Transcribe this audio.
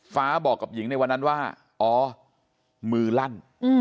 บอกกับหญิงในวันนั้นว่าอ๋อมือลั่น